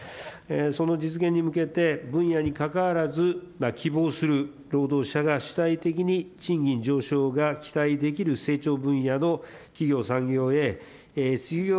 その実現に向けて、分野に関わらず希望する労働者が主体的に賃金上昇が期待できる成長分野の企業、産業へ失業